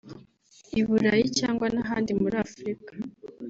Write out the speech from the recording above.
u Burayi cyangwa n’ahandi muri Afurika